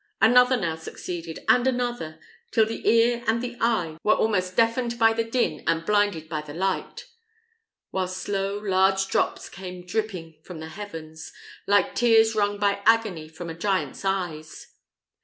Another now succeeded, and another, till the ear and the eye were almost deafened by the din and blinded by the light; while slow, large drops came dripping from the heavens, like tears wrung by agony from a giant's eyes.